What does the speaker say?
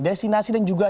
destinasi dan juga